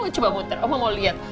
coba muter oh mau lihat